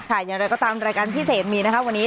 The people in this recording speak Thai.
อย่างไรก็ตามรายการพิเศษมีนะคะวันนี้